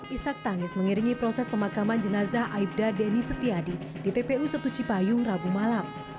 isak tangis mengiringi proses pemakaman jenazah aibda deni setiadi di tpu setuci payung rabu malam